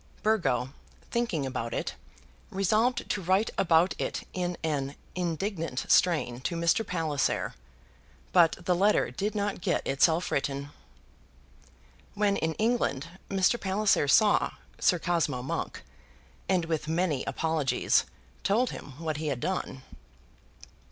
Burgo, thinking about it, resolved to write about it in an indignant strain to Mr. Palliser; but the letter did not get itself written. When in England, Mr. Palliser saw Sir Cosmo Monk, and with many apologies, told him what he had done.